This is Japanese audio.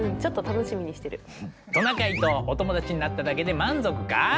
トナカイとお友達になっただけで満足か？